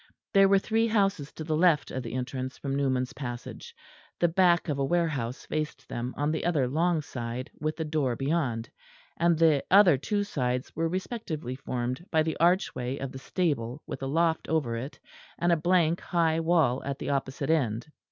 There were three houses to the left of the entrance from Newman's Passage; the back of a ware house faced them on the other long side with the door beyond; and the other two sides were respectively formed by the archway of the stable with a loft over it, and a blank high wall at the opposite end.